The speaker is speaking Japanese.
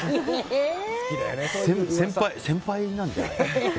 先輩なんじゃない？って。